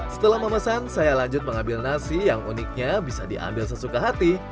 setelah memesan saya lanjut mengambil nasi yang uniknya bisa diambil sesuka hati